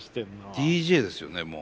ＤＪですよねもう。